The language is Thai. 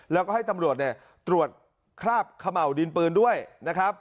แล้วก็ให้ตำรวจเนี่ยตรวจคราบเขม่าวดินปืนด้วยนะครับ